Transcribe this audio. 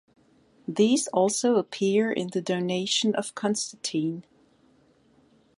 These also appear in the "Donation of Constantine".